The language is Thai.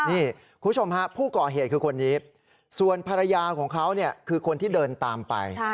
นี่คุณผู้ชมฮะผู้ก่อเหตุคือคนนี้ส่วนภรรยาของเขาเนี่ยคือคนที่เดินตามไป